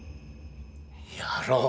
やろう。